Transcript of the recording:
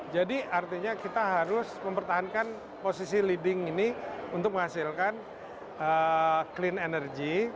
jadi artinya kita harus mempertahankan posisi leading ini untuk menghasilkan clean energy